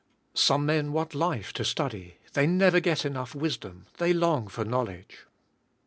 Some men want life to study. They never get enough wisdom. They long for knowledge.